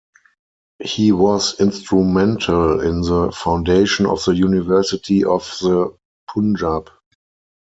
He was instrumental in the foundation of the University of the Punjab.